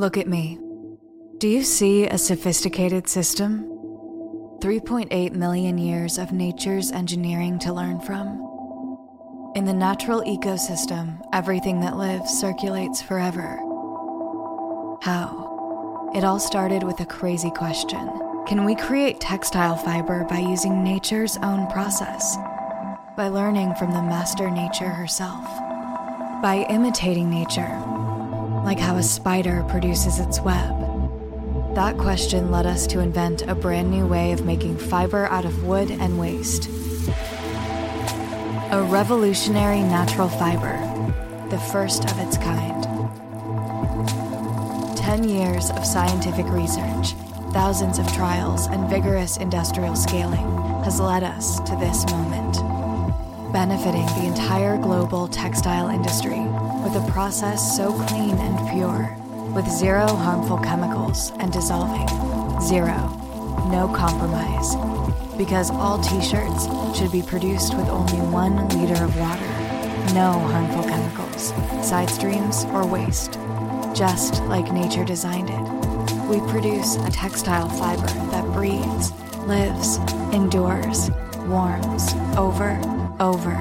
Look at me. Do you see a sophisticated system? 3.8 million years of nature's engineering to learn from. In the natural ecosystem, everything that lives circulates forever. How? It all started with a crazy question: Can we create textile fiber by using nature's own process, by learning from the master nature herself, by imitating nature like how a spider produces its web? That question led us to invent a brand-new way of making fiber out of wood and waste. A revolutionary natural fiber, the first of its kind. 10 years of scientific research, thousands of trials, and vigorous industrial scaling has led us to this moment, benefiting the entire global textile industry with a process so clean and pure, with zero harmful chemicals and dissolving, zero, no compromise, because all T-shirts should be produced with only 1 liter of water, no harmful chemicals, side streams, or waste, just like nature designed it. We produce a textile fiber that breathes, lives, endures, warms over, over,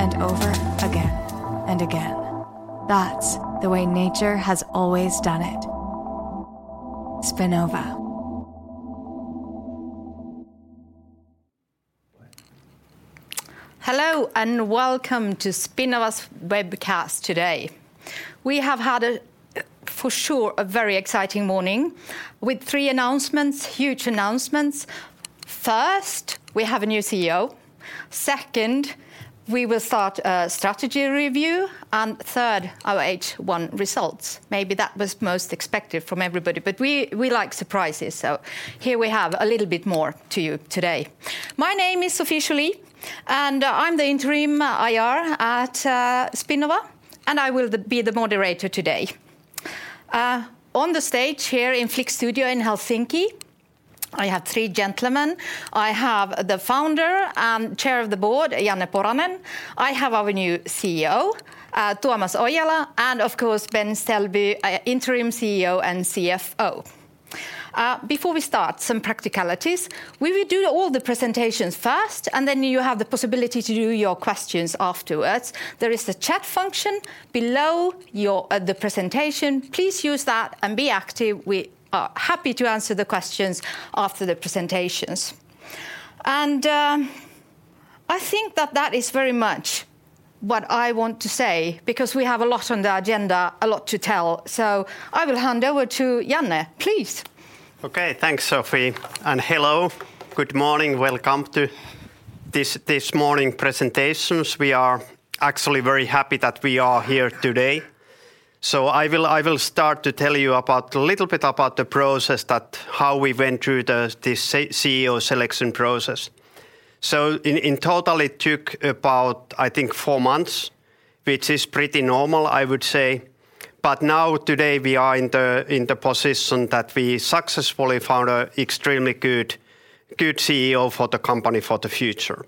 and over again, and again. That's the way nature has always done it. Spinnova. Hello, and welcome to Spinnova's webcast today. We have had a, for sure, a very exciting morning with three announcements, huge announcements. First, we have a new CEO. Second, we will start a strategy review. And third, our H1 results. Maybe that was most expected from everybody, but we, we like surprises, so here we have a little bit more to you today. My name is Sophie Jolly, and I'm the interim IR at Spinnova, and I will be the moderator today. On the stage here in Flik Studio in Helsinki, I have three gentlemen. I have the founder and chair of the board, Janne Poranen. I have our new CEO, Tuomas Oijala, and of course, Ben Selby, interim CEO and CFO. Before we start, some practicalities. We will do all the presentations first, and then you have the possibility to do your questions afterwards. There is a chat function below your, the presentation. Please use that and be active. We are happy to answer the questions after the presentations. I think that that is very much what I want to say, because we have a lot on the agenda, a lot to tell. So I will hand over to Janne, please. Okay, thanks, Sophie, and hello. Good morning. Welcome to this morning presentations. We are actually very happy that we are here today. So I will start to tell you about a little bit about the process that how we went through the CEO selection process. So in total, it took about, I think, four months, which is pretty normal, I would say. But now today we are in the position that we successfully found a extremely good CEO for the company for the future.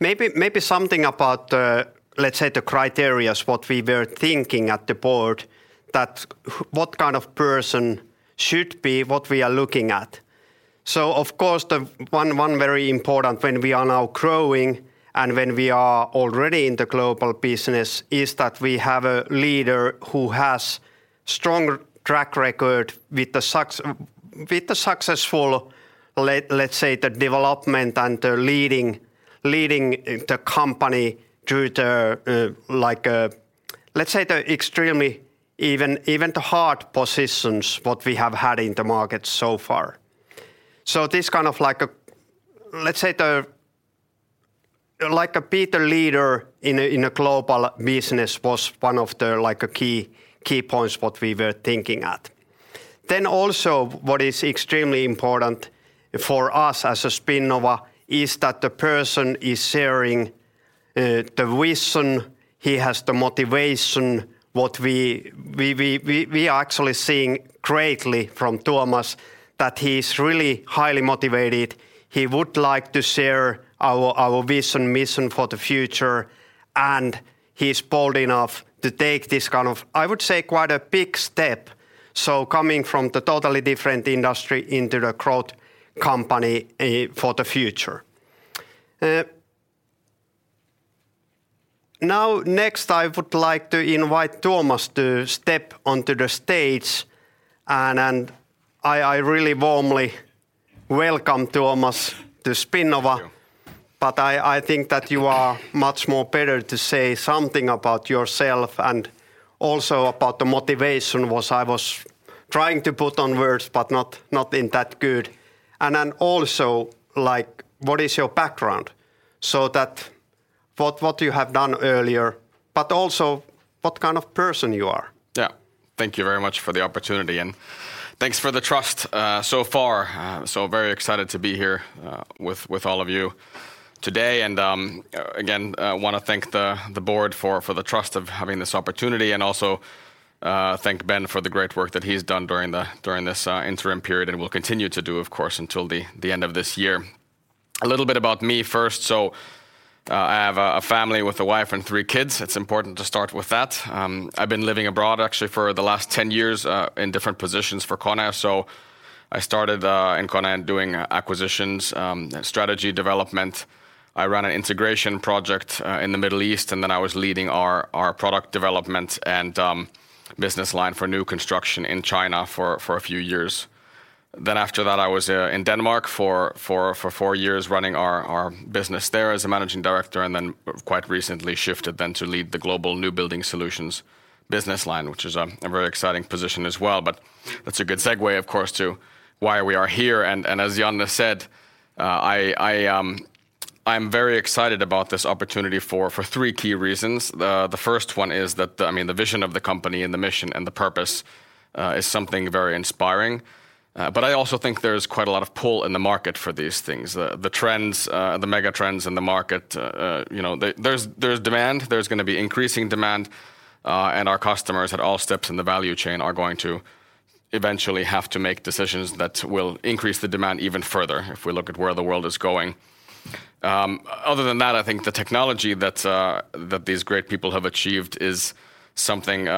Maybe something about the, let's say, the criteria, what we were thinking at the board, that what kind of person should be what we are looking at. So of course, the one very important when we are now growing and when we are already in the global business, is that we have a leader who has strong track record with the successful, let's say, the development and the leading the company through the, like, let's say, the extremely even the hard positions what we have had in the market so far. So this kind of like a, let's say, the, like a better leader in a global business was one of the, like, a key points what we were thinking at. Then also, what is extremely important for us as a Spinnova is that the person is sharing the vision, he has the motivation, what we are actually seeing greatly from Tuomas, that he's really highly motivated. He would like to share our vision, mission for the future, and he's bold enough to take this kind of, I would say, quite a big step, so coming from the totally different industry into the growth company for the future. Now, next, I would like to invite Tuomas to step onto the stage, and I really warmly welcome Tuomas to Spinnova. But I think that you are much more better to say something about yourself and also about the motivation, what I was trying to put on words, but not in that good. And then also, like, what is your background? So that what you have done earlier, but also what kind of person you are. Yeah. Thank you very much for the opportunity, and thanks for the trust, so far. So very excited to be here, with all of you today. Again, I want to thank the board for the trust of having this opportunity, and also, thank Ben for the great work that he's done during this interim period, and will continue to do, of course, until the end of this year. A little bit about me first. So, I have a family with a wife and three kids. It's important to start with that. I've been living abroad actually for the last 10 years, in different positions for KONE. So I started in KONE doing acquisitions, strategy development. I ran an integration project in the Middle East, and then I was leading our product development and business line for new construction in China for a few years. Then after that, I was in Denmark for four years, running our business there as a managing director, and then quite recently shifted then to lead the global new building solutions business line, which is a very exciting position as well. But that's a good segue, of course, to why we are here, and as Janne said, I'm very excited about this opportunity for three key reasons. The first one is that, I mean, the vision of the company and the mission and the purpose is something very inspiring. But I also think there's quite a lot of pull in the market for these things. The trends, the mega trends in the market, you know, there's demand, there's gonna be increasing demand, and our customers at all steps in the value chain are going to eventually have to make decisions that will increase the demand even further if we look at where the world is going. Other than that, I think the technology that these great people have achieved is something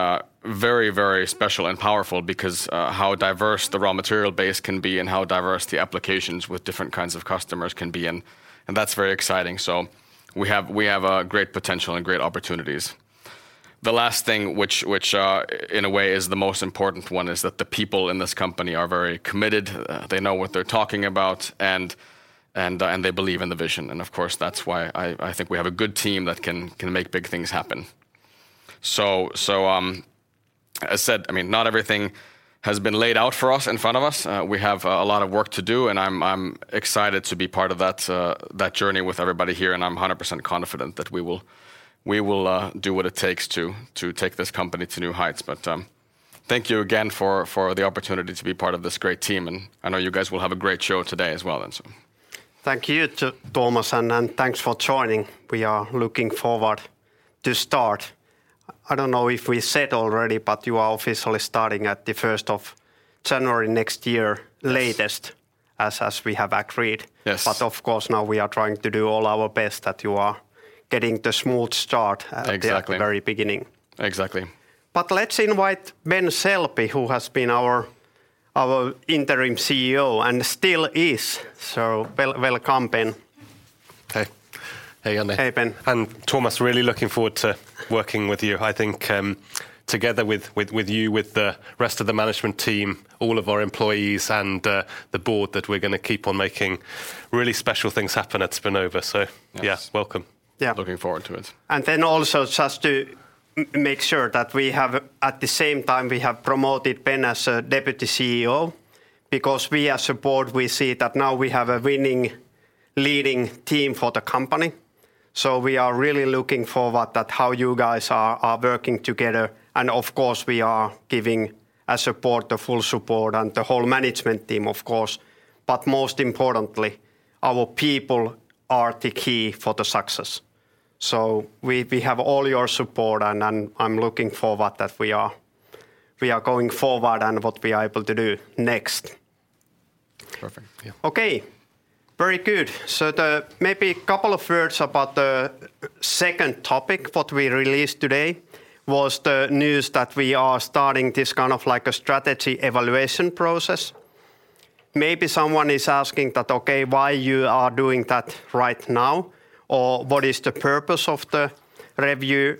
very, very special and powerful because how diverse the raw material base can be and how diverse the applications with different kinds of customers can be, and that's very exciting. So we have a great potential and great opportunities. The last thing, in a way, is the most important one, is that the people in this company are very committed, they know what they're talking about, and they believe in the vision. And of course, that's why I think we have a good team that can make big things happen. As said, I mean, not everything has been laid out for us in front of us. We have a lot of work to do, and I'm excited to be part of that journey with everybody here, and I'm 100% confident that we will do what it takes to take this company to new heights. Thank you again for the opportunity to be part of this great team, and I know you guys will have a great show today as well, and so. Thank you to Tuomas, and, and thanks for joining. We are looking forward to start. I don't know if we said already, but you are officially starting at the 1st of January next year latest, as we have agreed. Yes. But of course, now we are trying to do all our best that you are getting the smooth start- Exactly At the very beginning. Exactly. Let's invite Ben Selby, who has been our Interim CEO, and still is. Welcome, Ben. Hey. Hey, Janne. Hey, Ben. Tuomas, really looking forward to working with you. I think, together with, with, with you, with the rest of the management team, all of our employees, and, the board, that we're gonna keep on making really special things happen at Spinnova. So yeah, welcome. Yeah. Looking forward to it. Then also, just to make sure that we have, at the same time, we have promoted Ben as a Deputy CEO, because we as a board, we see that now we have a winning, leading team for the company. So we are really looking forward at how you guys are working together. And of course, we are giving a support, the full support, and the whole management team, of course, but most importantly, our people are the key for the success. So we have all your support, and I'm looking forward that we are going forward and what we are able to do next. Perfect, yeah. Okay, very good. So, maybe a couple of words about the second topic what we released today, was the news that we are starting this kind of like a strategy evaluation process. Maybe someone is asking that, "Okay, why you are doing that right now?" Or, "What is the purpose of the review?"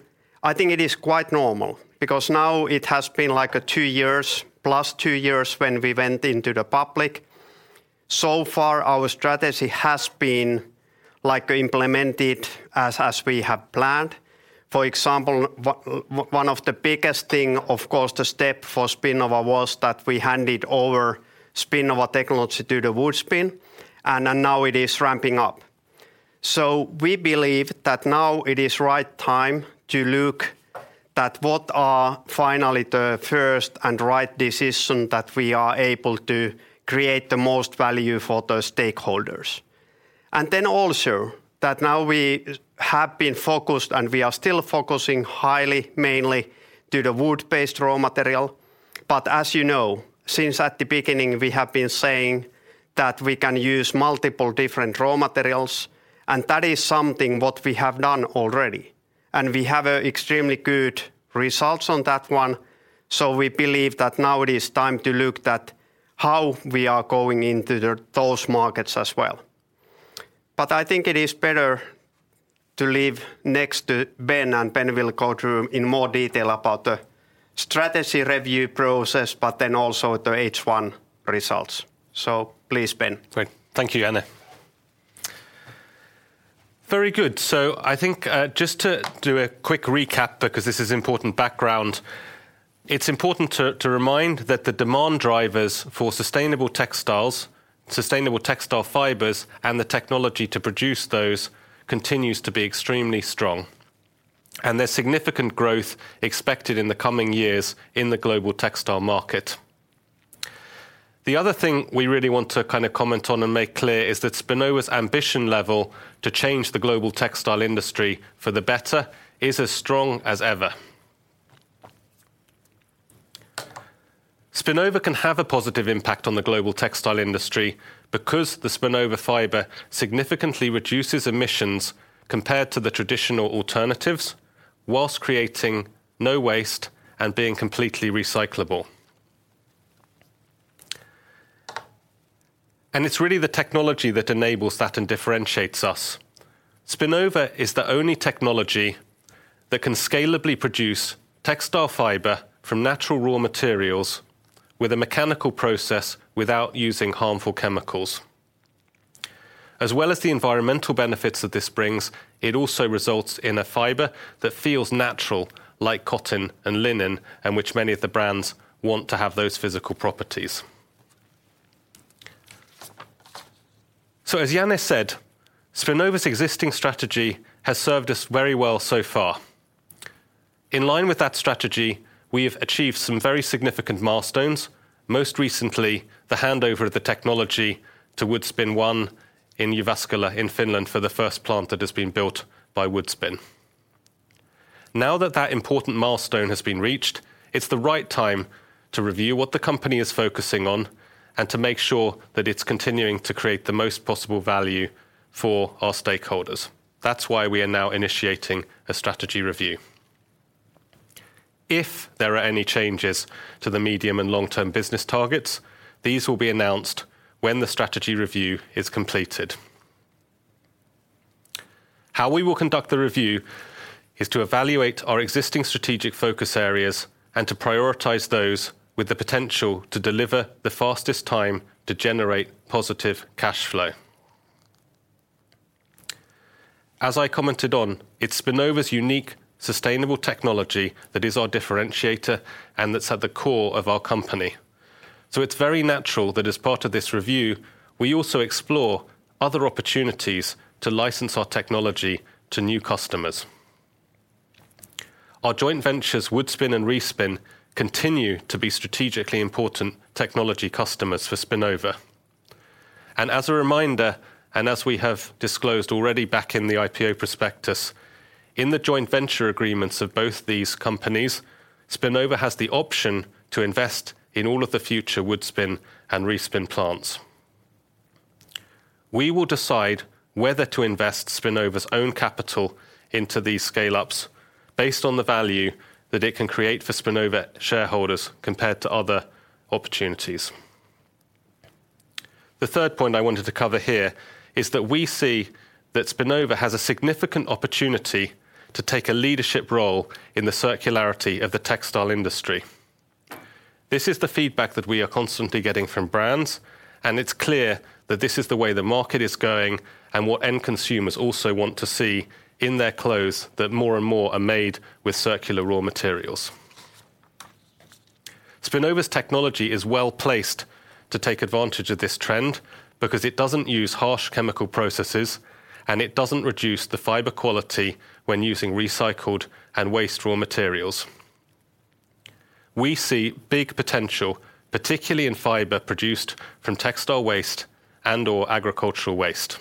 I think it is quite normal because now it has been, like, two years, plus two years when we went public. So far, our strategy has been, like, implemented as we have planned. For example, one of the biggest thing, of course, the step for Spinnova was that we handed over Spinnova technology to the Woodspin, and then now it is ramping up. So we believe that now it is right time to look at what are finally the first and right decision that we are able to create the most value for the stakeholders. And then also, that now we have been focused, and we are still focusing highly, mainly to the wood-based raw material. But as you know, since at the beginning, we have been saying that we can use multiple different raw materials, and that is something what we have done already. And we have extremely good results on that one, so we believe that now it is time to look at how we are going into the, those markets as well. But I think it is better to leave next to Ben, and Ben will go through in more detail about the strategy review process, but then also the H1 results. So please, Ben. Great. Thank you, Janne. Very good. I think, just to do a quick recap, because this is important background, it's important to remind that the demand drivers for sustainable textiles, sustainable textile fibers, and the technology to produce those continues to be extremely strong, and there's significant growth expected in the coming years in the global textile market. The other thing we really want to kind of comment on and make clear is that Spinnova's ambition level to change the global textile industry for the better is as strong as ever. Spinnova can have a positive impact on the global textile industry because the Spinnova fiber significantly reduces emissions compared to the traditional alternatives, whilst creating no waste and being completely recyclable. It's really the technology that enables that and differentiates us. Spinnova is the only technology that can scalably produce textile fiber from natural raw materials with a mechanical process without using harmful chemicals. As well as the environmental benefits that this brings, it also results in a fiber that feels natural, like cotton and linen, and which many of the brands want to have those physical properties. So as Janne said, Spinnova's existing strategy has served us very well so far. In line with that strategy, we have achieved some very significant milestones, most recently, the handover of the technology to Woodspin One in Jyväskylä in Finland for the first plant that has been built by Woodspin. Now that that important milestone has been reached, it's the right time to review what the company is focusing on, and to make sure that it's continuing to create the most possible value for our stakeholders. That's why we are now initiating a strategy review. If there are any changes to the medium and long-term business targets, these will be announced when the strategy review is completed. How we will conduct the review is to evaluate our existing strategic focus areas and to prioritize those with the potential to deliver the fastest time to generate positive cash flow. As I commented on, it's Spinnova's unique, sustainable technology that is our differentiator and that's at the core of our company. So it's very natural that as part of this review, we also explore other opportunities to license our technology to new customers. Our joint ventures, Woodspin and Respin, continue to be strategically important technology customers for Spinnova. And as a reminder, and as we have disclosed already back in the IPO prospectus, in the joint venture agreements of both these companies, Spinnova has the option to invest in all of the future Woodspin and Respin plants. We will decide whether to invest Spinnova's own capital into these scale-ups based on the value that it can create for Spinnova shareholders compared to other opportunities. The third point I wanted to cover here is that we see that Spinnova has a significant opportunity to take a leadership role in the circularity of the textile industry. This is the feedback that we are constantly getting from brands, and it's clear that this is the way the market is going and what end consumers also want to see in their clothes, that more and more are made with circular raw materials. Spinnova's technology is well-placed to take advantage of this trend because it doesn't use harsh chemical processes, and it doesn't reduce the fiber quality when using recycled and waste raw materials. We see big potential, particularly in fiber produced from textile waste and/or agricultural waste.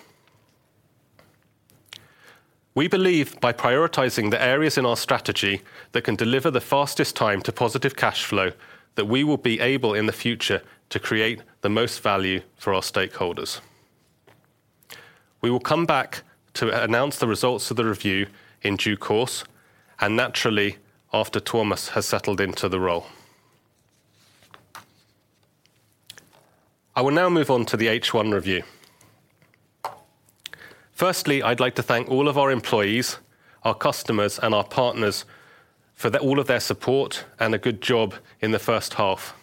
We believe by prioritizing the areas in our strategy that can deliver the fastest time to positive cash flow, that we will be able, in the future, to create the most value for our stakeholders. We will come back to announce the results of the review in due course, and naturally, after Tuomas has settled into the role. I will now move on to the H1 review. Firstly, I'd like to thank all of our employees, our customers, and our partners for all of their support and a good job in the first half.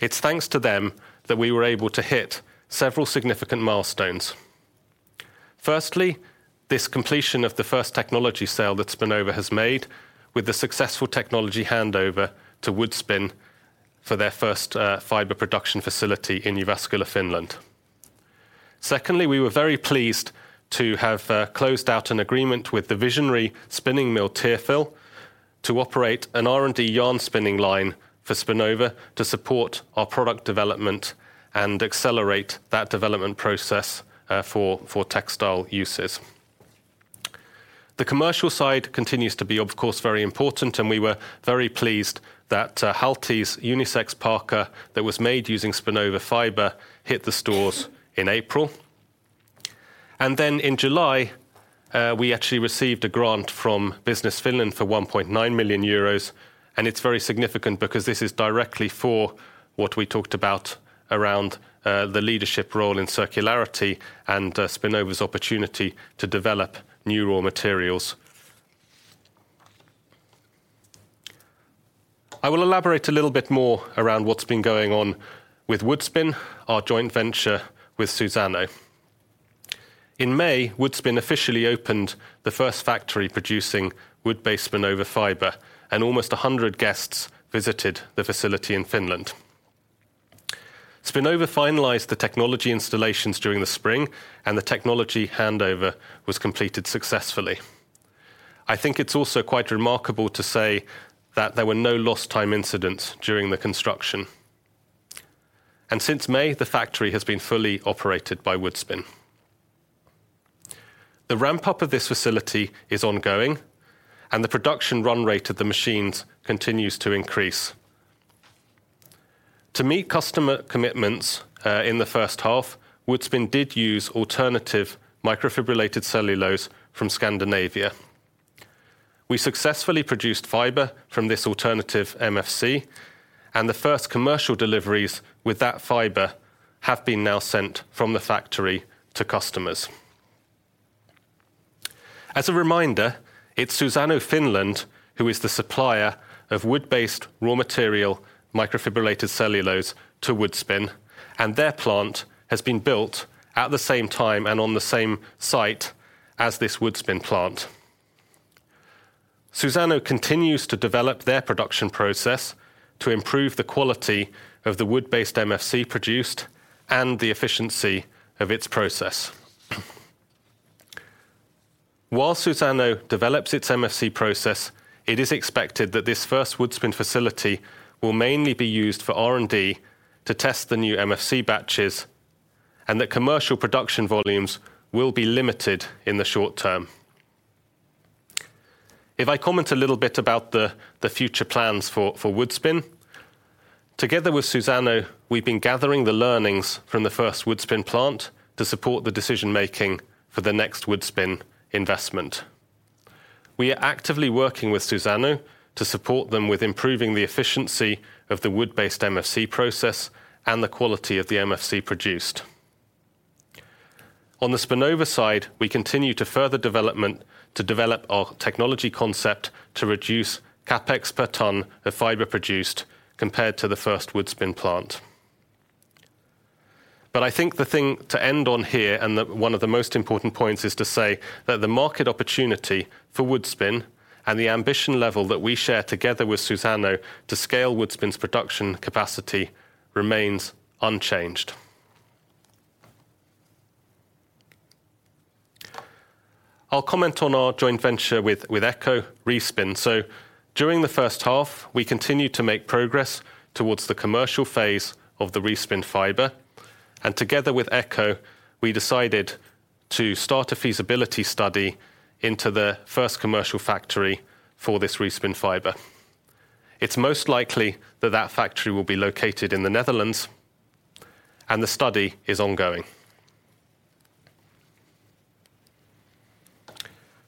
It's thanks to them that we were able to hit several significant milestones. Firstly, this completion of the first technology sale that Spinnova has made with the successful technology handover to Woodspin for their first fiber production facility in Jyväskylä, Finland. Secondly, we were very pleased to have closed out an agreement with the visionary spinning mill, Tearfil, to operate an R&D yarn spinning line for Spinnova to support our product development and accelerate that development process for textile uses. The commercial side continues to be, of course, very important, and we were very pleased that Halti's unisex parka that was made using Spinnova fiber hit the stores in April. Then in July, we actually received a grant from Business Finland for 1.9 million euros, and it's very significant because this is directly for what we talked about around the leadership role in circularity and Spinnova's opportunity to develop new raw materials. I will elaborate a little bit more around what's been going on with Woodspin, our joint venture with Suzano. In May, Woodspin officially opened the first factory producing wood-based Spinnova fiber, and almost 100 guests visited the facility in Finland. Spinnova finalized the technology installations during the spring, and the technology handover was completed successfully. I think it's also quite remarkable to say that there were no lost time incidents during the construction. Since May, the factory has been fully operated by Woodspin. The ramp up of this facility is ongoing, and the production run rate of the machines continues to increase. To meet customer commitments, in the first half, Woodspin did use alternative microfibrillated cellulose from Scandinavia. We successfully produced fiber from this alternative MFC, and the first commercial deliveries with that fiber have been now sent from the factory to customers. As a reminder, it's Suzano Finland, who is the supplier of wood-based raw material, microfibrillated cellulose, to Woodspin, and their plant has been built at the same time and on the same site as this Woodspin plant. Suzano continues to develop their production process to improve the quality of the wood-based MFC produced and the efficiency of its process. While Suzano develops its MFC process, it is expected that this first Woodspin facility will mainly be used for R&D to test the new MFC batches, and that commercial production volumes will be limited in the short term. If I comment a little bit about the future plans for Woodspin, together with Suzano, we've been gathering the learnings from the first Woodspin plant to support the decision-making for the next Woodspin investment. We are actively working with Suzano to support them with improving the efficiency of the wood-based MFC process and the quality of the MFC produced. On the Spinnova side, we continue to further development to develop our technology concept to reduce CapEx per ton of fiber produced, compared to the first Woodspin plant. But I think the thing to end on here, and the one of the most important points, is to say that the market opportunity for Woodspin and the ambition level that we share together with Suzano to scale Woodspin's production capacity remains unchanged. I'll comment on our joint venture with, with ECCO, Respin. During the first half, we continued to make progress towards the commercial phase of the Respin fiber, and together with ECCO, we decided to start a feasibility study into the first commercial factory for this Respin fiber. It's most likely that that factory will be located in the Netherlands, and the study is ongoing.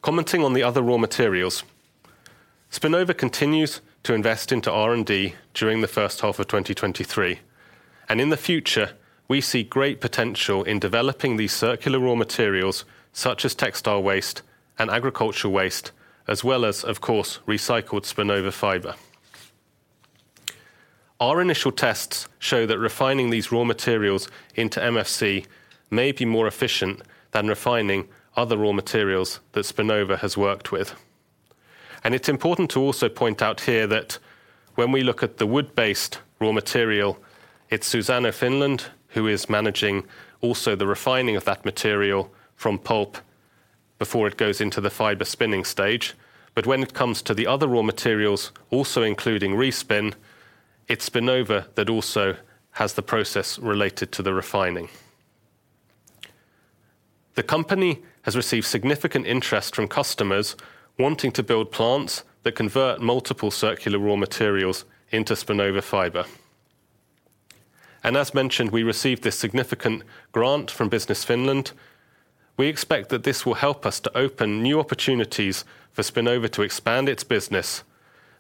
Commenting on the other raw materials, Spinnova continues to invest into R&D during the first half of 2023, and in the future, we see great potential in developing these circular raw materials, such as textile waste and agricultural waste, as well as, of course, recycled Spinnova fiber. Our initial tests show that refining these raw materials into MFC may be more efficient than refining other raw materials that Spinnova has worked with. It's important to also point out here that when we look at the wood-based raw material, it's Suzano Finland who is managing also the refining of that material from pulp before it goes into the fiber spinning stage. When it comes to the other raw materials, also including Respin, it's Spinnova that also has the process related to the refining. The company has received significant interest from customers wanting to build plants that convert multiple circular raw materials into Spinnova fiber. As mentioned, we received this significant grant from Business Finland. We expect that this will help us to open new opportunities for Spinnova to expand its business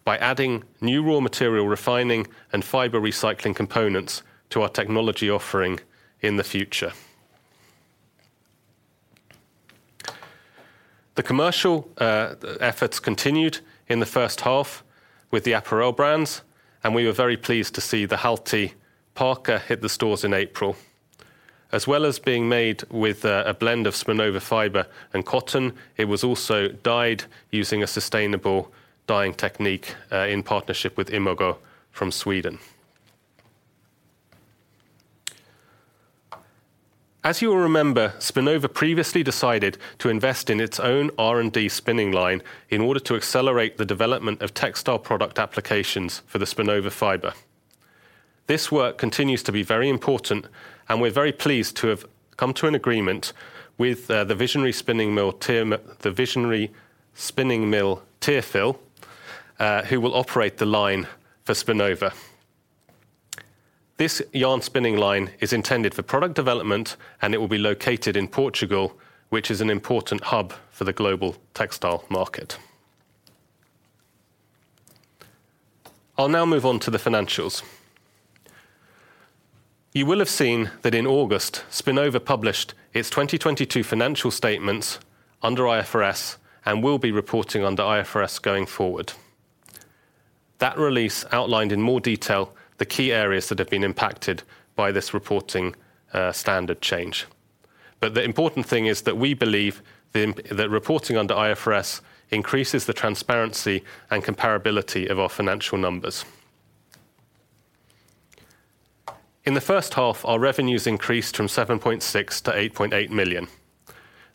by adding new raw material refining and fiber recycling components to our technology offering in the future. The commercial efforts continued in the first half with the apparel brands, and we were very pleased to see the Halti parka hit the stores in April. As well as being made with a blend of Spinnova fiber and cotton, it was also dyed using a sustainable dyeing technique in partnership with Imogo from Sweden. As you will remember, Spinnova previously decided to invest in its own R&D spinning line in order to accelerate the development of textile product applications for the Spinnova fiber. This work continues to be very important, and we're very pleased to have come to an agreement with the visionary spinning mill Tearfil, who will operate the line for Spinnova. This yarn spinning line is intended for product development, and it will be located in Portugal, which is an important hub for the global textile market. I'll now move on to the financials. You will have seen that in August, Spinnova published its 2022 financial statements under IFRS and will be reporting under IFRS going forward. That release outlined in more detail the key areas that have been impacted by this reporting standard change. But the important thing is that we believe that reporting under IFRS increases the transparency and comparability of our financial numbers. In the first half, our revenues increased from 7.6 million to 8.8 million.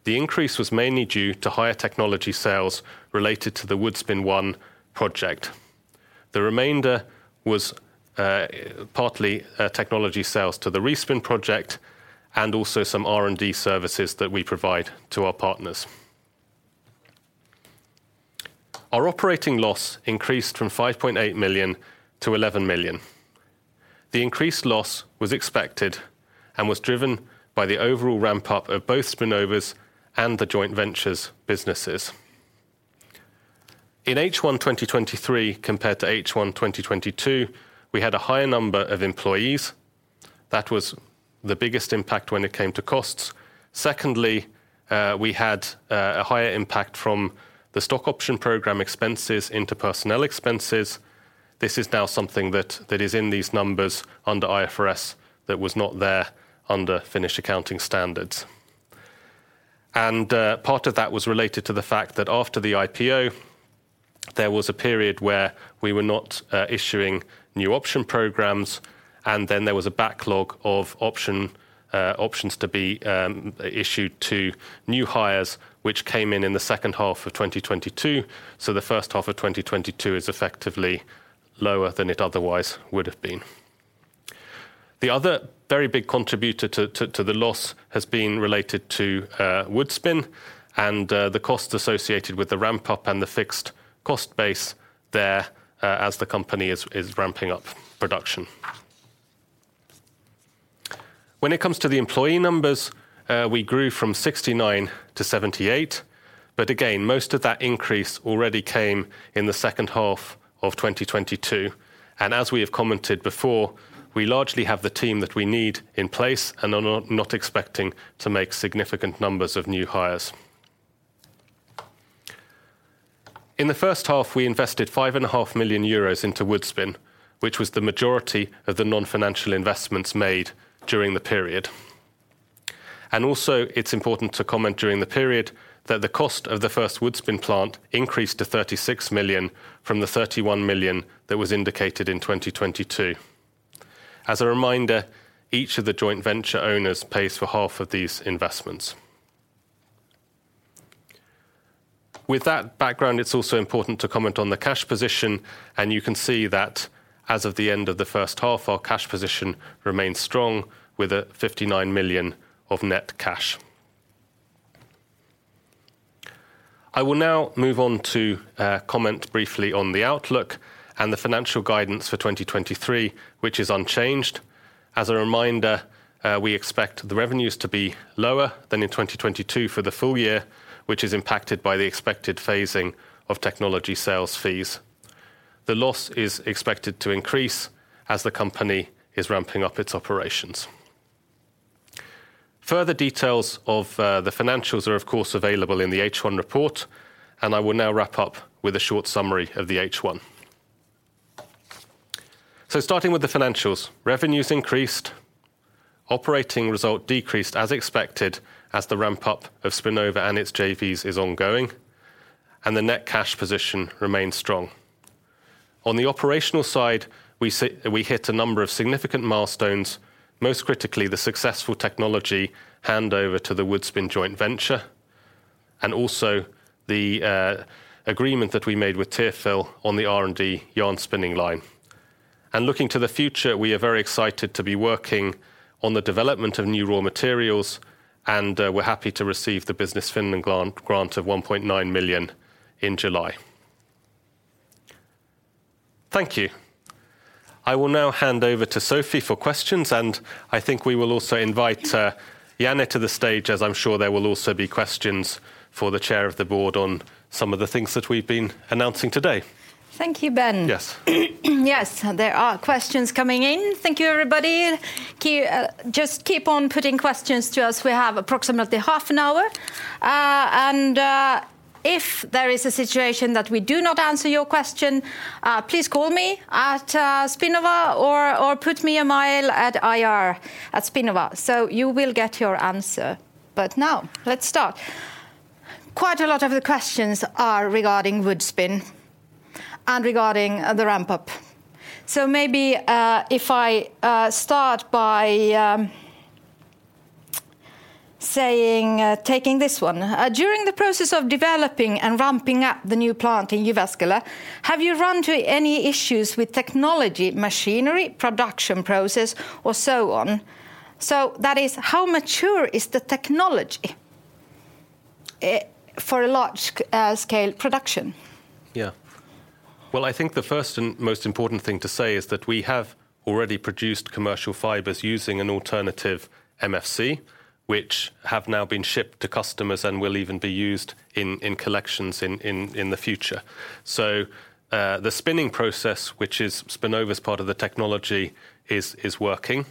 The increase was mainly due to higher technology sales related to the Woodspin One project. The remainder was partly technology sales to the Respin project, and also some R&D services that we provide to our partners. Our operating loss increased from 5.8 million to 11 million. The increased loss was expected and was driven by the overall ramp-up of both Spinnova's and the joint venture's businesses. In H1 2023, compared to H1 2022, we had a higher number of employees. That was the biggest impact when it came to costs. Secondly, we had a higher impact from the stock option program expenses into personnel expenses. This is now something that is in these numbers under IFRS that was not there under Finnish accounting standards. And part of that was related to the fact that after the IPO, there was a period where we were not issuing new option programs, and then there was a backlog of option options to be issued to new hires, which came in in the second half of 2022. So the first half of 2022 is effectively lower than it otherwise would have been. The other very big contributor to the loss has been related to Woodspin and the costs associated with the ramp-up and the fixed cost base there, as the company is ramping up production. When it comes to the employee numbers, we grew from 69 to 78, but again, most of that increase already came in the second half of 2022. And as we have commented before, we largely have the team that we need in place and are not expecting to make significant numbers of new hires. In the first half, we invested 5.5 million euros into Woodspin, which was the majority of the non-financial investments made during the period. And also, it's important to comment during the period that the cost of the first Woodspin plant increased to 36 million from the 31 million that was indicated in 2022. As a reminder, each of the joint venture owners pays for half of these investments. With that background, it's also important to comment on the cash position, and you can see that as of the end of the first half, our cash position remains strong, with 59 million of net cash. I will now move on to comment briefly on the outlook and the financial guidance for 2023, which is unchanged. As a reminder, we expect the revenues to be lower than in 2022 for the full year, which is impacted by the expected phasing of technology sales fees. The loss is expected to increase as the company is ramping up its operations. Further details of the financials are, of course, available in the H1 report, and I will now wrap up with a short summary of the H1. So starting with the financials, revenues increased, operating result decreased as expected, as the ramp-up of Spinnova and its JVs is ongoing, and the net cash position remains strong. On the operational side, we hit a number of significant milestones, most critically, the successful technology handover to the Woodspin joint venture, and also the agreement that we made with Tearfil on the R&D yarn spinning line. Looking to the future, we are very excited to be working on the development of new raw materials, and we're happy to receive the Business Finland grant of 1.9 million in July. Thank you. I will now hand over to Sophie for questions, and I think we will also invite Janne to the stage, as I'm sure there will also be questions for the chair of the board on some of the things that we've been announcing today. Thank you, Ben. Yes. Yes, there are questions coming in. Thank you, everybody. Just keep on putting questions to us. We have approximately half an hour. And if there is a situation that we do not answer your question, please call me at Spinnova or put me a mail at ir@spinnova, so you will get your answer. But now, let's start. Quite a lot of the questions are regarding Woodspin and regarding the ramp-up. So maybe if I start by saying, taking this one: "During the process of developing and ramping up the new plant in Jyväskylä, have you run into any issues with technology, machinery, production process, or so on? So that is, how mature is the technology for a large scale production? Yeah. Well, I think the first and most important thing to say is that we have already produced commercial fibers using an alternative MFC, which have now been shipped to customers and will even be used in the future. So, the spinning process, which is Spinnova's part of the technology, is working.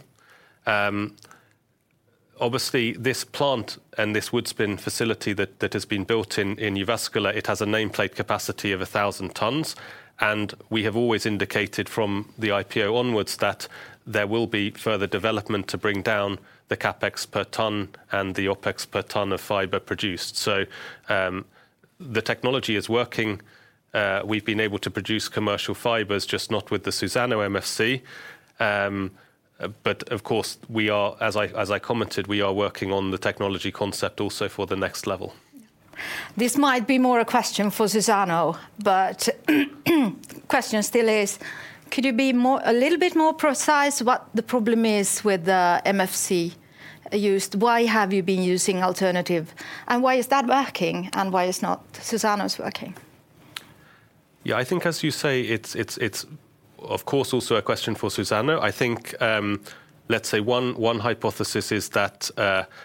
Obviously, this plant and this Woodspin facility that has been built in Jyväskylä, it has a nameplate capacity of 1,000 tons, and we have always indicated from the IPO onwards that there will be further development to bring down the CapEx per ton and the OpEx per ton of fiber produced. So, the technology is working. We've been able to produce commercial fibers, just not with the Suzano MFC. But of course, we are, as I commented, we are working on the technology concept also for the next level. This might be more a question for Suzano, but question still is, could you be more, a little bit more precise what the problem is with the MFC used? Why have you been using alternative, and why is that working, and why is not Suzano's working? Yeah, I think as you say, it's of course also a question for Suzano. I think, let's say, one hypothesis is that,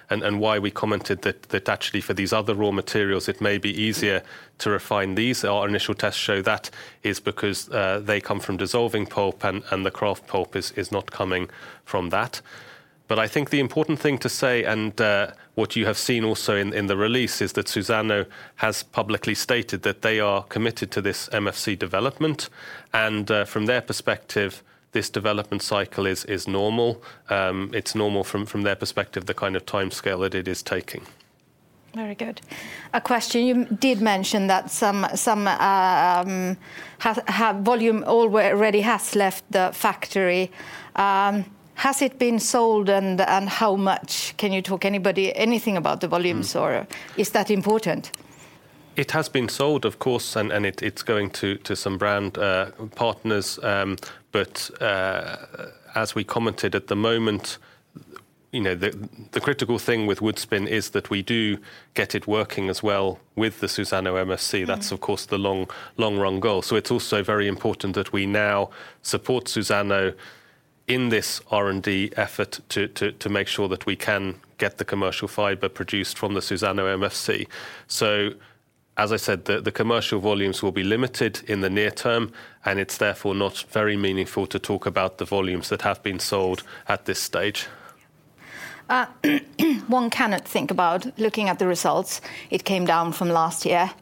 and why we commented that actually for these other raw materials, it may be easier to refine these. Our initial tests show that is because they come from dissolving pulp, and the kraft pulp is not coming from that. But I think the important thing to say, and what you have seen also in the release, is that Suzano has publicly stated that they are committed to this MFC development. And from their perspective, this development cycle is normal. It's normal from their perspective, the kind of timescale that it is taking. Very good. A question, you did mention that some volume already has left the factory. Has it been sold, and how much? Can you talk anything about the volumes or is that important? It has been sold, of course, and it's going to some brand partners. But as we commented, at the moment, you know, the critical thing with Woodspin is that we do get it working as well with the Suzano MFC that's, of course, the long, long-run goal. So it's also very important that we now support Suzano in this R&D effort to make sure that we can get the commercial fiber produced from the Suzano MFC. So, as I said, the commercial volumes will be limited in the near term, and it's therefore not very meaningful to talk about the volumes that have been sold at this stage. One cannot think about looking at the results. It came down from last year.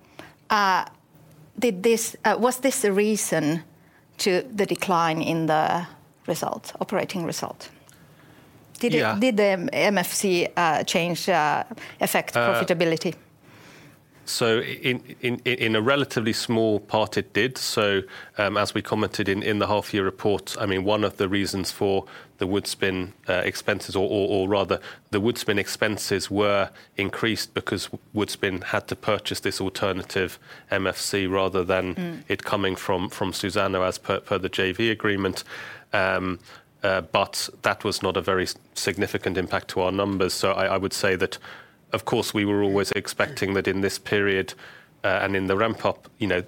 Was this the reason to the decline in the results, operating result? Yeah. Did the MFC change affect profitability? So in a relatively small part, it did. So as we commented in the half-year report, I mean, one of the reasons for the Woodspin expenses, or rather, the Woodspin expenses were increased because Woodspin had to purchase this alternative MFC rather than- Mm It coming from Suzano, as per the JV agreement. But that was not a very significant impact to our numbers. So I would say that, of course, we were always expecting that in this period, and in the ramp-up, you know,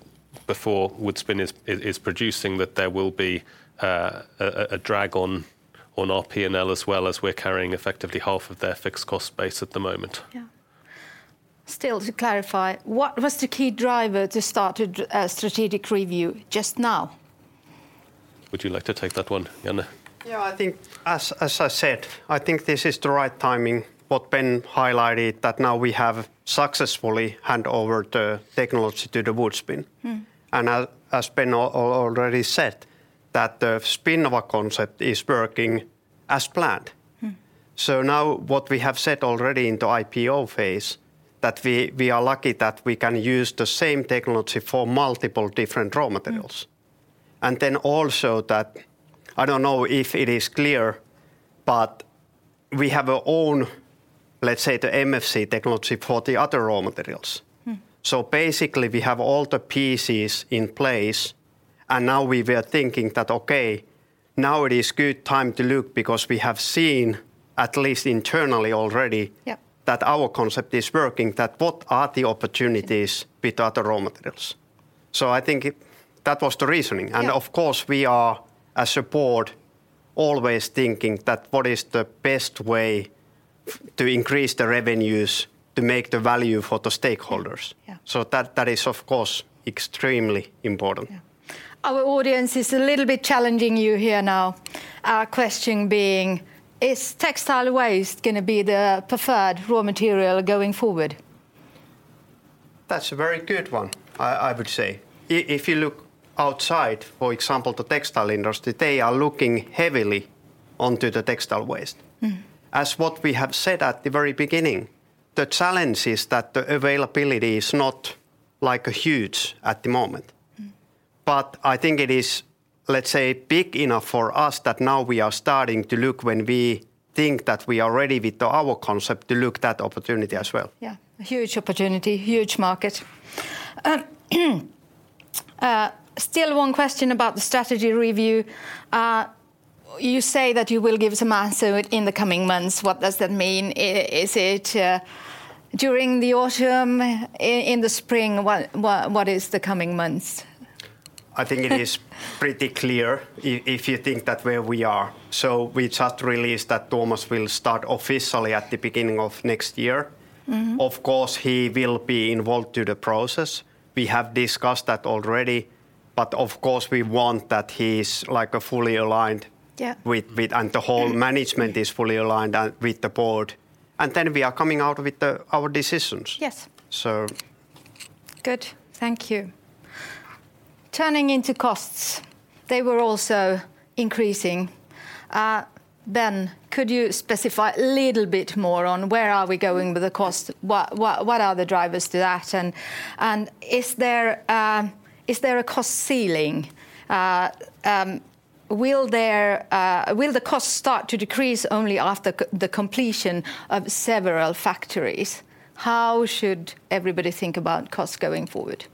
before Woodspin is producing, that there will be a drag on our P&L as well, as we're carrying effectively half of their fixed cost base at the moment. Yeah. Still, to clarify, what was the key driver to start a strategic review just now? Would you like to take that one, Janne? Yeah, I think as I said, I think this is the right timing. What Ben highlighted, that now we have successfully handed over the technology to Woodspin. Mm. And as Ben already said, that the Spinnova concept is working as planned. Mm. Now, what we have said already in the IPO phase, that we are lucky that we can use the same technology for multiple different raw materials. Mm. Then also that, I don't know if it is clear, but we have our own, let's say, the MFC technology for the other raw materials. Mm. So basically, we have all the pieces in place, and now we were thinking that, okay, now it is good time to look, because we have seen, at least internally already- Yep That our concept is working, that what are the opportunities with other raw materials? So I think that was the reasoning. Yeah. Of course, we are, as a board, always thinking that what is the best way to increase the revenues to make the value for the stakeholders? Yeah. That is, of course, extremely important. Yeah. Our audience is a little bit challenging you here now. Our question being: Is textile waste gonna be the preferred raw material going forward? That's a very good one, I would say. If you look outside, for example, the textile industry, they are looking heavily onto the textile waste. Mm. As what we have said at the very beginning, the challenge is that the availability is not, like, huge at the moment. But I think it is, let's say, big enough for us that now we are starting to look when we think that we are ready with our concept to look that opportunity as well. Yeah, a huge opportunity, huge market. Still one question about the strategy review. You say that you will give some answer in the coming months. What does that mean? Is it during the autumn, in the spring? What, what, what is the coming months? I think it is pretty clear if you think that where we are. So we just released that Tuomas will start officially at the beginning of next year. Mm-hmm. Of course, he will be involved through the process. We have discussed that already. But of course, we want that he's, like, fully aligned- Yeah With, and the whole management is fully aligned with the board, and then we are coming out with our decisions. Yes. So... Good. Thank you. Turning into costs, they were also increasing. Ben, could you specify a little bit more on where are we going with the cost? What are the drivers to that, and is there a cost ceiling? Will the costs start to decrease only after the completion of several factories? How should everybody think about costs going forward?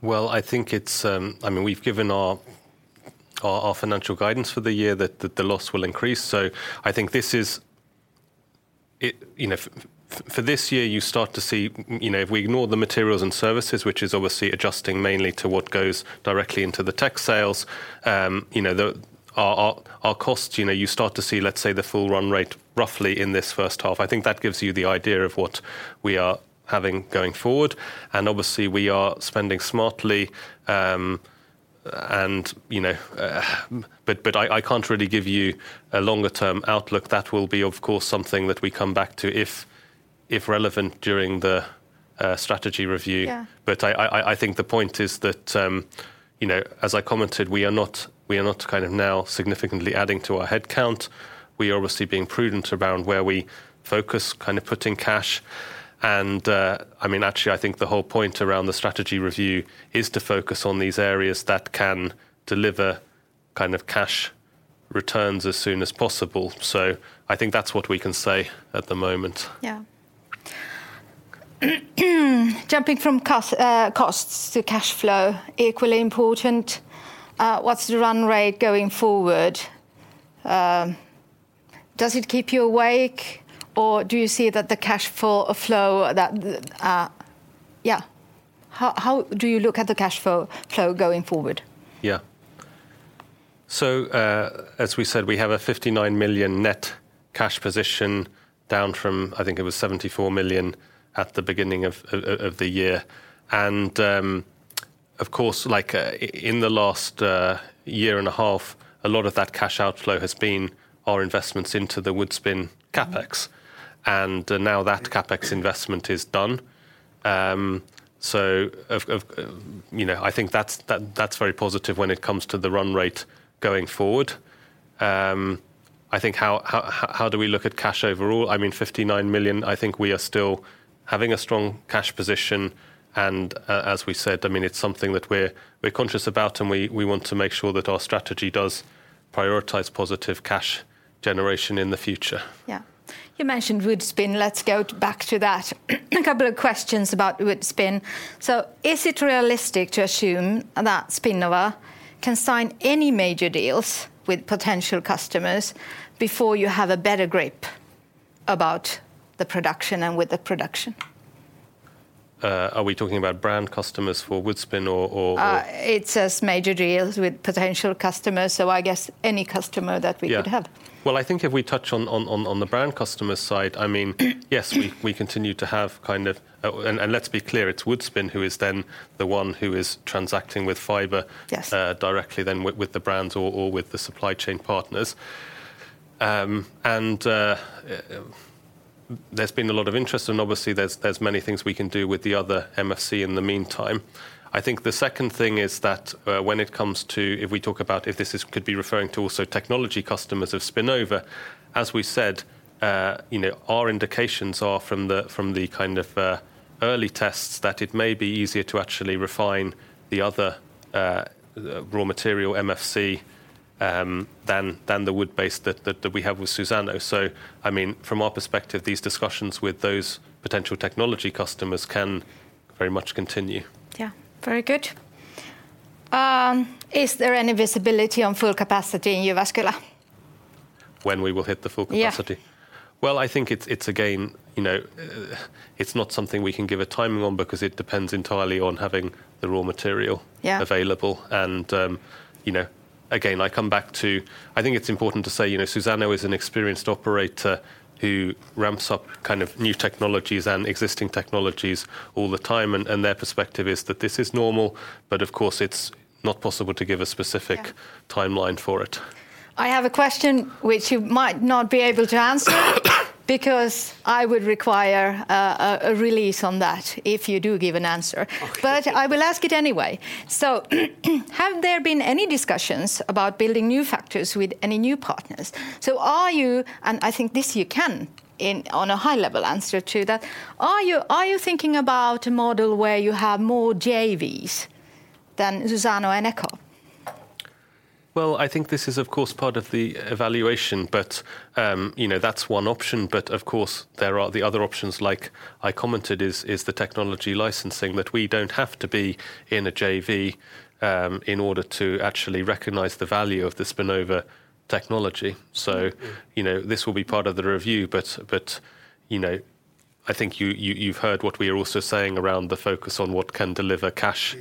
Well, I think it's, I mean, we've given our financial guidance for the year that the loss will increase. So I think this is, it, you know, for this year, you start to see, you know, if we ignore the materials and services, which is obviously adjusting mainly to what goes directly into the tech sales, you know, our costs, you know, you start to see, let's say, the full run rate roughly in this first half. I think that gives you the idea of what we are having going forward. And obviously, we are spending smartly, and, you know. But I can't really give you a longer-term outlook. That will be, of course, something that we come back to if relevant during the strategy review. Yeah. But I think the point is that, you know, as I commented, we are not, we are not kind of now significantly adding to our headcount. We are obviously being prudent around where we focus, kind of putting cash. And, I mean, actually, I think the whole point around the strategy review is to focus on these areas that can deliver kind of cash returns as soon as possible. So I think that's what we can say at the moment. Yeah. Jumping from costs to cash flow, equally important. What's the run rate going forward? Does it keep you awake, or do you see that the cash flow that... Yeah, how do you look at the cash flow going forward? Yeah. So, as we said, we have a $59 million net cash position, down from, I think it was $74 million at the beginning of, of the year. And, of course, like, in the last, year and a half, a lot of that cash outflow has been our investments into the Woodspin CapEx. And now that CapEx investment is done. So, you know, I think that's very positive when it comes to the run rate going forward. I think how do we look at cash overall? I mean, $59 million, I think we are still having a strong cash position. And, as we said, I mean, it's something that we're conscious about, and we want to make sure that our strategy does prioritize positive cash generation in the future. Yeah. You mentioned Woodspin. Let's go back to that. A couple of questions about Woodspin. So is it realistic to assume that Spinnova can sign any major deals with potential customers before you have a better grip about the production and with the production? Are we talking about brand customers for Woodspin or? It says major deals with potential customers, so I guess any customer that we could have. Yeah. Well, I think if we touch on the brand customer side, I mean—yes, we continue to have kind of... And let's be clear, it's Woodspin who is then the one who is transacting with fiber- Yes Directly then with the brands or with the supply chain partners. And there's been a lot of interest, and obviously, there's many things we can do with the other MFC in the meantime. I think the second thing is that when it comes to, if we talk about if this is could be referring to also technology customers of Spinnova, as we said, you know, our indications are from the kind of early tests, that it may be easier to actually refine the other raw material MFC than the wood-based that we have with Suzano. So, I mean, from our perspective, these discussions with those potential technology customers can very much continue. Yeah. Very good. Is there any visibility on full capacity in Jyväskylä? When we will hit the full capacity? Yeah. Well, I think it's, it's again, you know, it's not something we can give a timing on because it depends entirely on having the raw material- Yeah Available. And, you know, again, I come back to, I think it's important to say, you know, Suzano is an experienced operator who ramps up kind of new technologies and existing technologies all the time, and, and their perspective is that this is normal, but of course, it's not possible to give a specific-Yeah... timeline for it. I have a question which you might not be able to answer because I would require a release on that if you do give an answer. Okay. But I will ask it anyway. So, have there been any discussions about building new factories with any new partners? So are you, and I think this you can, on a high level, answer to that: Are you thinking about a model where you have more JVs than Suzano and ECCO? Well, I think this is, of course, part of the evaluation, but, you know, that's one option. But of course, there are the other options, like I commented, is the technology licensing, that we don't have to be in a JV, in order to actually recognize the value of the Spinnova technology. So you know, this will be part of the review. But, you know, I think you've heard what we are also saying around the focus on what can deliver cash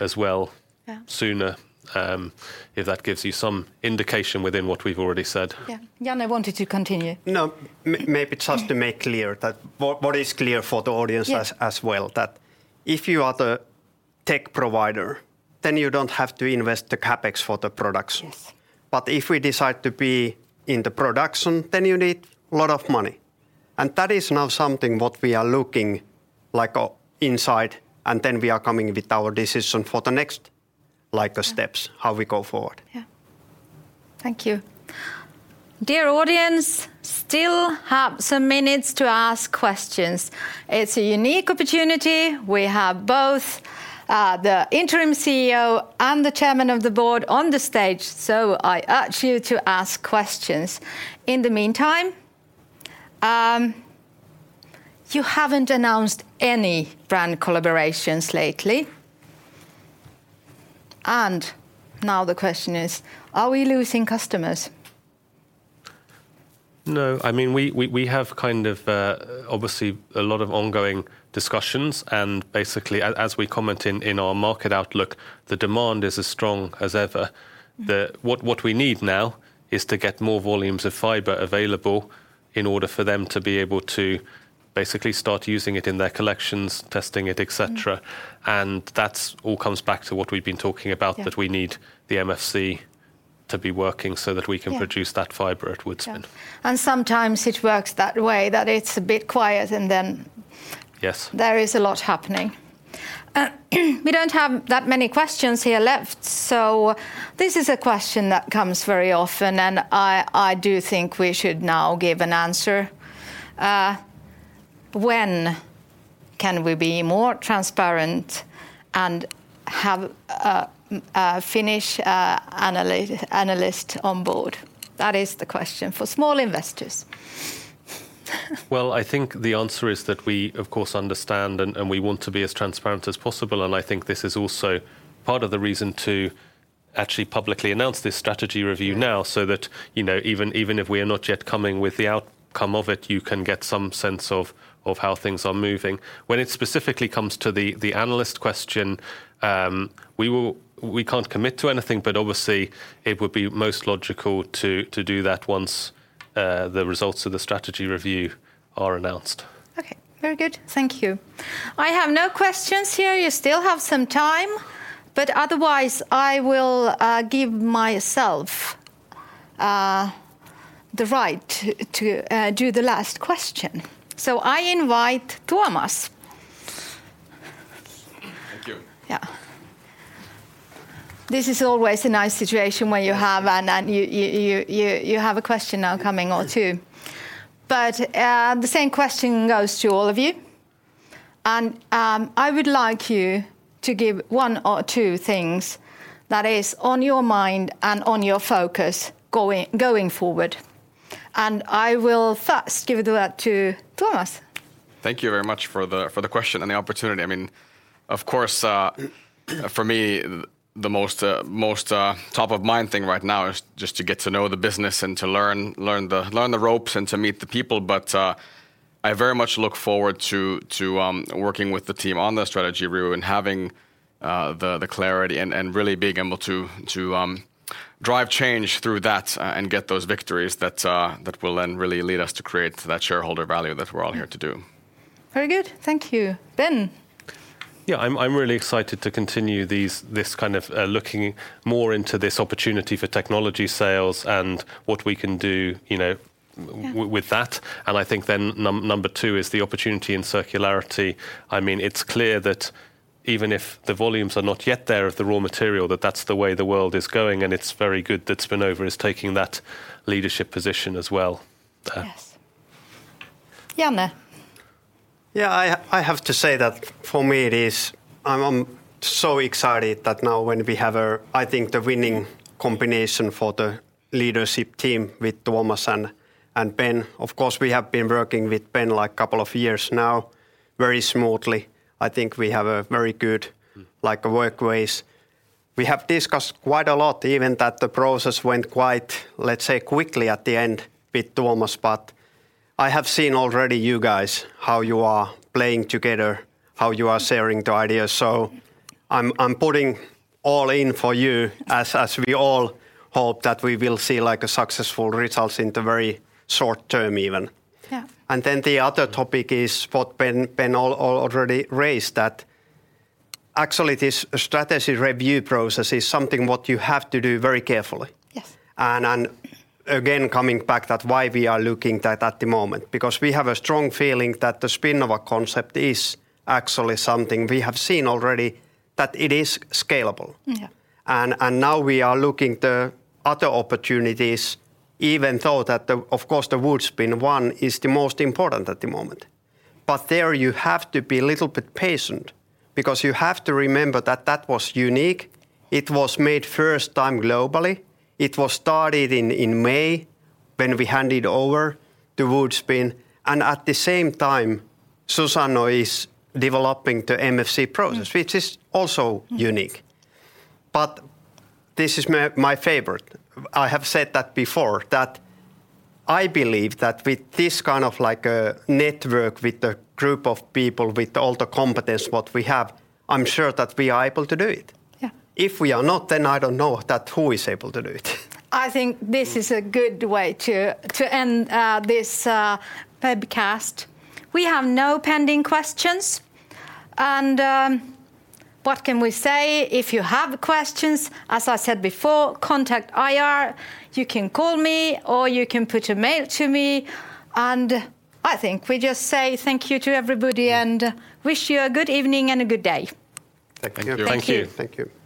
as well- Yeah Sooner, if that gives you some indication within what we've already said. Yeah. Janne wanted to continue. No, maybe just to make clear that what is clear for the audience as- Yeah As well, that if you are the tech provider, then you don't have to invest the CapEx for the production. Yes. But if we decide to be in the production, then you need a lot of money. And that is now something what we are looking, like, inside, and then we are coming with our decision for the next, like, steps how we go forward. Yeah. Thank you. Dear audience, still have some minutes to ask questions. It's a unique opportunity. We have both the interim CEO and the chairman of the board on the stage, so I urge you to ask questions. In the meantime, you haven't announced any brand collaborations lately, and now the question is, are we losing customers? No. I mean, we have kind of obviously a lot of ongoing discussions, and basically, as we comment in our market outlook, the demand is as strong as ever. What we need now is to get more volumes of fiber available in order for them to be able to basically start using it in their collections, testing it, et cetera. And that's all comes back to what we've been talking about. Yeah That we need the MFC to be working, so that we can- Yeah Produce that fiber at Woodspin. Yeah. And sometimes it works that way, that it's a bit quiet and then- Yes There is a lot happening. We don't have that many questions here left, so this is a question that comes very often, and I do think we should now give an answer. When can we be more transparent and have a Finnish analyst on board? That is the question for small investors. Well, I think the answer is that we, of course, understand and we want to be as transparent as possible, and I think this is also part of the reason to actually publicly announce this strategy review now, so that, you know, even if we are not yet coming with the outcome of it, you can get some sense of how things are moving. When it specifically comes to the analyst question, we can't commit to anything, but obviously it would be most logical to do that once the results of the strategy review are announced. Okay, very good. Thank you. I have no questions here. You still have some time, but otherwise I will give myself the right to do the last question. So I invite Tuomas. Thank you. Yeah. This is always a nice situation when you have a question now coming or two. But, the same question goes to all of you, and I would like you to give one or two things that is on your mind and on your focus going forward, and I will first give that to Tuomas. Thank you very much for the question and the opportunity. I mean, of course, for me, the most top-of-mind thing right now is just to get to know the business and to learn the ropes and to meet the people. But I very much look forward to working with the team on the strategy review and having the clarity and really being able to drive change through that and get those victories that will then really lead us to create that shareholder value that we're all here to do. Very good, thank you. Ben? Yeah, I'm really excited to continue these, this kind of looking more into this opportunity for technology sales and what we can do, you know- Yeah With that, and I think then number two is the opportunity in circularity. I mean, it's clear that even if the volumes are not yet there of the raw material, that that's the way the world is going, and it's very good that Spinnova is taking that leadership position as well. Yes. Janne? Yeah, I have to say that, for me, it is... I'm so excited that now when we have a, I think, the winning combination for the leadership team with Tuomas and Ben. Of course, we have been working with Ben, like, couple of years now, very smoothly. I think we have a very good, like, work ways. We have discussed quite a lot, even that the process went quite, let's say, quickly at the end with Tuomas. But I have seen already you guys, how you are playing together, how you are sharing the ideas. So I'm putting all in for you, as we all hope that we will see, like, a successful results in the very short term even. Yeah. Then the other topic is what Ben already raised, that actually this strategy review process is something what you have to do very carefully. Yes. Again, coming back that why we are looking that at the moment. Because we have a strong feeling that the Spinnova concept is actually something we have seen already, that it is scalable. Mm-hmm. Yeah. And now we are looking to other opportunities, even though, of course, the Woodspin one is the most important at the moment. But there, you have to be a little bit patient because you have to remember that that was unique. It was made first time globally. It was started in May, when we handed over the Woodspin, and at the same time, Suzano is developing the MFC process- Mm Which is also unique. Mm. This is my, my favorite. I have said that before, that I believe that with this kind of, like, network, with the group of people, with all the competence what we have, I'm sure that we are able to do it. Yeah. If we are not, then I don't know that who is able to do it? I think this is a good way to end this webcast. We have no pending questions, and what can we say? If you have questions, as I said before, contact IR. You can call me, or you can put an email to me, and I think we just say thank you to everybody and wish you a good evening and a good day. Thank you. Thank you. Thank you. Thank you.